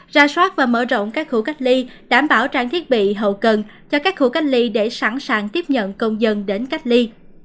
ra soát và mở rộng các khu cách ly đảm bảo trang thiết bị hậu cần cho các khu cách ly để sẵn sàng tiếp nhận công dân đến cách ly